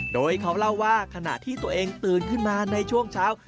โดยเขาเล่าว่าขณะที่ตัวเองตื่นขึ้นมาในช่วงเช้า